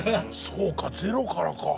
そうかゼロからか。